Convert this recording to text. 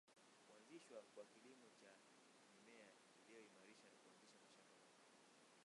Kuanzishwa kwa kilimo cha mimea iliyoimarishwa na kuanzisha mashamba mapya